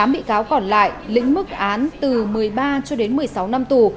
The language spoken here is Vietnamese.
tám bị cáo còn lại lĩnh mức án từ một mươi ba cho đến một mươi sáu năm tù